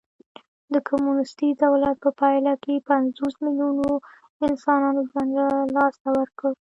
د کمونېستي دولت په پایله کې پنځوس میلیونو انسانانو ژوند له لاسه ورکړ